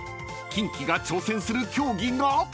［キンキが挑戦する競技が］